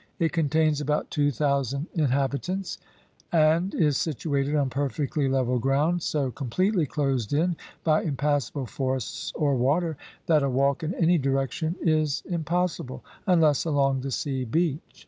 It contains about 2000 inhabitants, and is situated on perfectly level ground, so completely closed in by impassable forests or water, that a walk in any direction is impossible, unless along the sea beach.